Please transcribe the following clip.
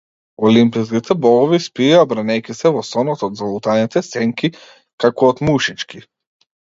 Олимпските богови спиеја бранејќи се во сонот од залутаните сенки, како од мушички.